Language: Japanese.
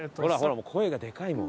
もう声がでかいもん。